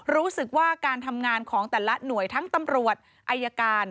รู้สึกว่าการทำงานของแต่ละหน่วยทั้งตำรวจอายการ